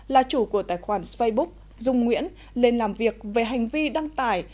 là chủ của tài khoản facebook dung nguyễn lên làm việc về hành vi đăng tải